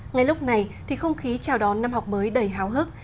ngay lúc này thì không khí chào đón năm học mới đầy háo hức